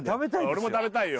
俺も食べたいよ